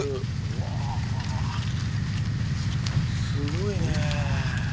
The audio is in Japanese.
うわすごいね。